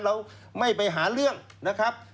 เราไม่ไปหาเรื่องนะครับ